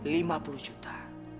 lima puluh juta